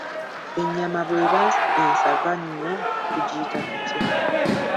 Ennyama bweba ensava nnyo tugiyita tutya?